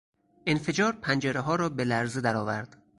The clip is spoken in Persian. انفجار پنجرهها را به لرزه درآورد.